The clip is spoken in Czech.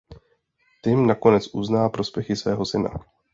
Tim nakonec uzná úspěchy svého syna.